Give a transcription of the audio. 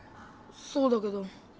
そうだけど。